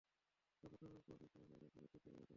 তা প্রথমে উপত্যকা ও পরে শহর এলাকার উপর দিয়ে প্রবাহিত করেন।